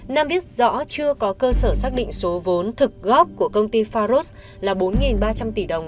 nam biết rõ chưa có cơ sở xác định số vốn thực góp của công ty faros là bốn ba trăm linh tỷ đồng